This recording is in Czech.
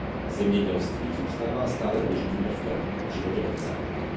Zemědělství zůstává stále důležitým prvkem v životě obce.